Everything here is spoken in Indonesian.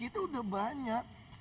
itu udah banyak